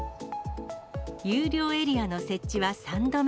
有料エリアの設置は３度目。